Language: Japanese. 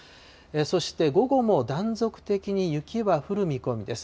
そして午後も断続的に雪は降る見込みです。